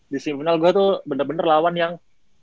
di semi final gue tuh bener bener lawan yang